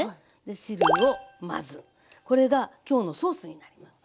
で汁をまずこれが今日のソースになります。